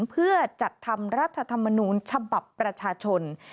เพื่อจัดทำรัฐธรรมนูญฉบับประชาชน